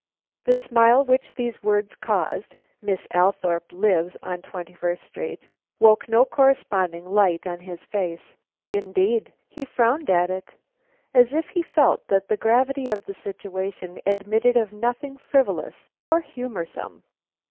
The smile which these words caused (Miss Althorpe lives in Twenty first Street) woke no corresponding light on his face. Indeed, he frowned at it, as if he felt that the gravity of the situation admitted of nothing frivolous or humorsome.